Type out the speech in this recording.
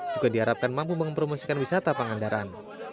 juga diharapkan mampu mempromosikan wisata pangandaran